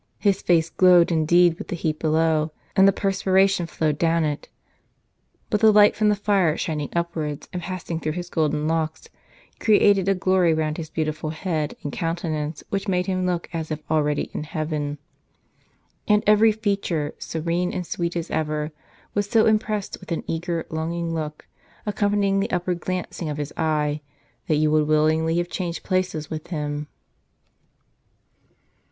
His face glowed indeed with the heat below, and the perspiration flowed down it ; but the light from the fire shining upwards, and passing through his golden locks, created a glory round his beautiful head and countenance, which made him look as if already in heaven. And every feature, serene and sweet as ever, was so impressed with an eager, longing look, accompanying the upward glancing of his eye, that you would willingly have changed places with him."